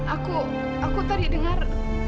aku aku tadi dengar